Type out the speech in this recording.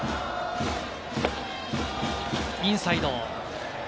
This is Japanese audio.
インサイド。